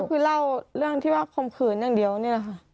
คือเล่าเรื่องที่ว่าคมขืนอย่างเดียวนี่แหละค่ะ